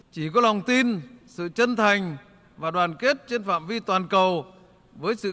chỉ có lòng tin sự chân thành và đoàn kết trên phạm vi toàn cầu với sự